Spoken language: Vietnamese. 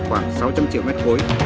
khoảng sáu trăm linh triệu mét cuối